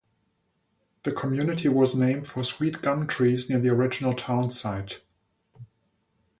The community was named for sweet gum trees near the original town site.